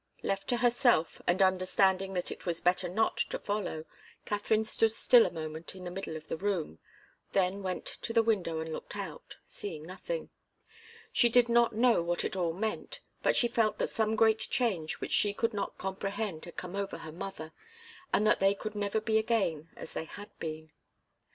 Left to herself, and understanding that it was better not to follow, Katharine stood still a moment in the middle of the room, then went to the window and looked out, seeing nothing. She did not know what it all meant, but she felt that some great change which she could not comprehend had come over her mother, and that they could never be again as they had been.